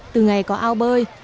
từ ngày có ao bơi